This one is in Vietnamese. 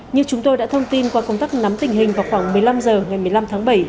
như chúng tôi đã thông tin qua công tác nắm tình hình vào khoảng một mươi năm h ngày một mươi năm tháng bảy